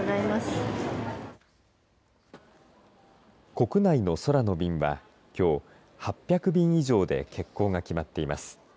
国内の空の便はきょう、８００便以上で欠航が決まってます。